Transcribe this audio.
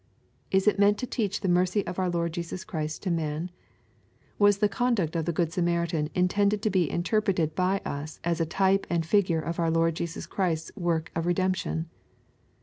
Is it meant to teach the mercy of our Lord Jesus Chnst to man ? Was the conduct of the good Samaritan intended to be interpreted by us as a type and figure of our • Lord Jesus Christ's great work of redemption?